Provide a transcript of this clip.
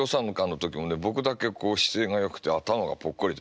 僕だけこう姿勢がよくて頭がぽっこりで。